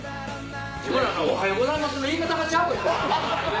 自分ら「おはようございます」の言い方がちゃうやん。